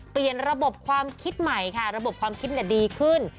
เปลี่ยนระบบความคิดใหม่ค่ะระบบความคิดดีขึ้น